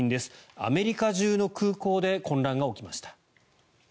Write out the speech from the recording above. アメリカ中の空港で混乱が起きました。